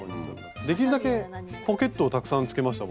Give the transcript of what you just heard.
できるだけポケットをたくさんつけましたもんね。